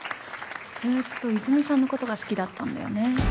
ずーっと泉さんのことが好きだったんだよね。